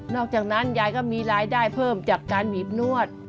อกจากนั้นยายก็มีรายได้เพิ่มจากการบีบนวด